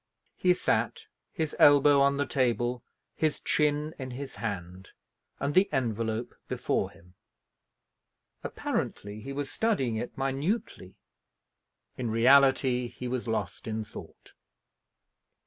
He sat his elbow on the table, his chin in his hand, and the envelope before him. Apparently, he was studying it minutely; in reality he was lost in thought.